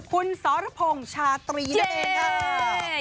คุณส้อฤพงษ์ชาตรีนะเจนค่ะ